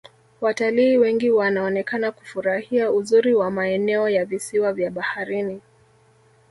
watalii wengi wanaonekana kufurahia uzuri wa maeneo ya visiwa vya baharini